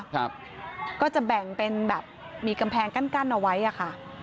ครับก็จะแบ่งเป็นแบบมีกำแพงกั้นกั้นเอาไว้อ่ะค่ะ